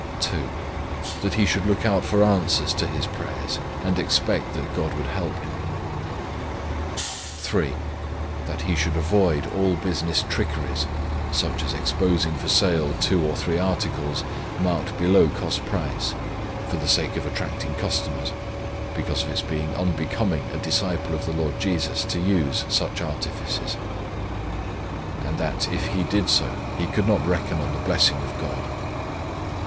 2, That he should look out for answers to his prayers, and expect that God would help him. 3, That he should avoid all business trickeries, such as exposing for sale two or three articles, marked below cost price, for the sake of attracting customers, because of its being unbecoming a disciple of the Lord Jesus to use such artifices; and that, if he did so, he could not reckon on the blessing of God.